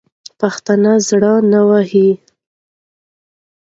پښتانه زړه نه وهي.